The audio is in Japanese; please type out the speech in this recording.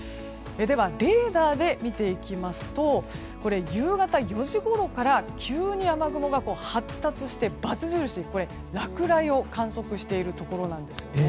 では、レーダーで見ていきますと夕方４時ごろから急に雨雲が発達して×印、落雷を観測しているところなんですよね。